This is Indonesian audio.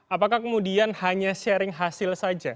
apakah kemudian hanya sharing hasil saja